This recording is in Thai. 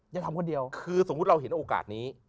ยังทำคนเดียวคือสมมุติเราเห็นโอกาสนี้